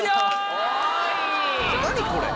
何これ。